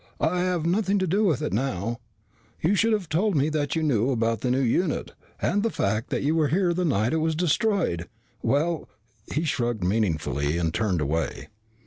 "I have nothing to do with it now. You should have told me that you knew about the new unit. And the fact that you were here the night it was destroyed, well " He shrugged meaningfully and turned away.